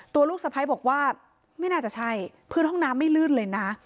ลูกสะพ้ายบอกว่าไม่น่าจะใช่พื้นห้องน้ำไม่ลื่นเลยนะ